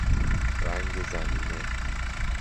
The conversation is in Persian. رنگ زمینه